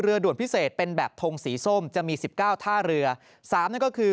๒เรือด่วนพิเศษเป็นแบบทงสีส้มจะมี๑๙ท่าเรือ